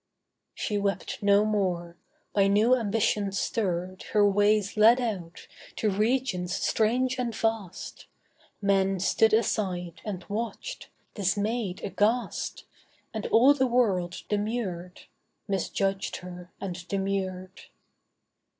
She wept no more. By new ambition stirred Her ways led out, to regions strange and vast. Men stood aside and watched, dismayed, aghast, And all the world demurred— Misjudged her, and demurred.